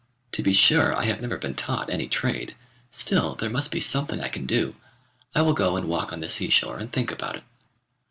To be sure I have never been taught any trade. Still there must be something I can do. I will go and walk on the seashore and think about it.